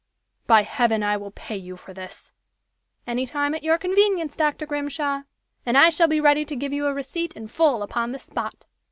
"By heaven, I will pay you for this." "Any time at your convenience, Dr. Grimshaw! And I shall be ready to give you a receipt in full upon the spot!"